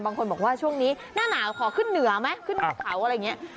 บางคนบอกว่าช่วงนี้หน้าหนาวขอขึ้นเหนือไหมขึ้นภูเขาอะไรอย่างนี้